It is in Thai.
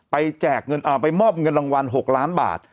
ไปแจกเงินเอาไปมอบเงินรางวัล๖ล้านบาท